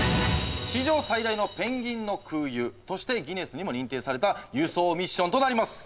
史上最大のペンギンの空輸としてギネスにも認定された輸送ミッションとなります。